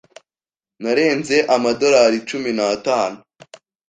Ntarenze amadorari cumi natanu.